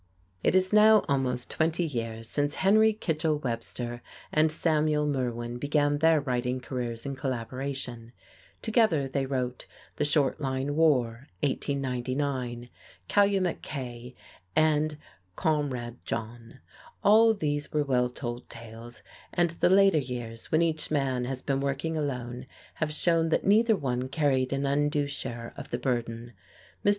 [Illustration: JOSEPH C. LINCOLN] It is now almost twenty years since Henry Kitchell Webster and Samuel Merwin began their writing careers in collaboration. Together they wrote "The Short Line War" (1899), "Calumet K" and "Comrade John." All these were well told tales, and the later years, when each man has been working alone, have shown that neither one carried an undue share of the burden. Mr.